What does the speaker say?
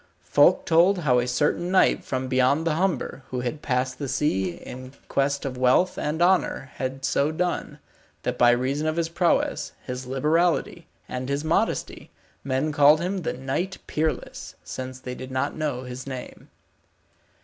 Folk told how a certain knight from beyond the Humber, who had passed the sea in quest of wealth and honour, had so done, that by reason of his prowess, his liberality, and his modesty, men called him the Knight Peerless, since they did not know his name.